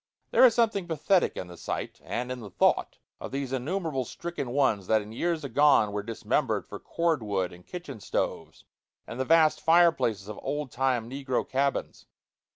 There is something pathetic in the sight, and in the thought of those innumerable stricken ones that in years agone were dismembered for cord wood and kitchen stoves and the vast fireplaces of old time negro cabins.